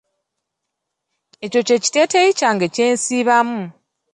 Ekyo kye kiteeteeyi kyange kye nsiibamu.